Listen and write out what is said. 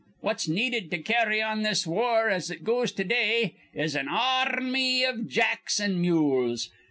What's needed to carry on this war as it goes to day is an ar rmy iv jacks an' mules.